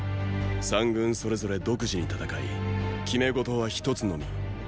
三軍それぞれ独自に戦い決め事は一つのみ。